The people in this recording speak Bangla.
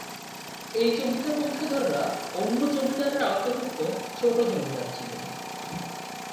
এই জমিদার বংশধররা অন্য জমিদারের আওতাভুক্ত ছোট জমিদার ছিলেন।